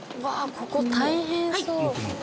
ここ大変そう。